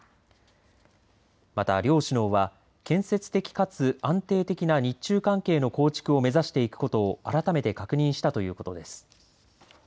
また、両首脳は建設的かつ安定的な日中関係の構築を目指していくことを改めて確認したということです。